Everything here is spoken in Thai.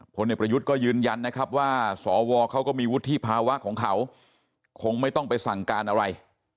ผลเอกประยุทธ์ก็ยืนยันนะครับว่าสวเขาก็มีวุฒิภาวะของเขาคงไม่ต้องไปสั่งการอะไร